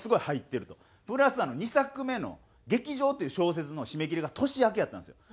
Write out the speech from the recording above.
プラス２作目の『劇場』という小説の締め切りが年明けやったんですよ。